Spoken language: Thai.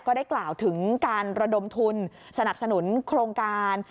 ก็ได้กล่าวถึงการระดมทุนสนับสนุนโครงการ